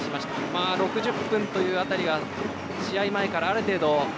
まあ６０分という辺りは試合前からある程度。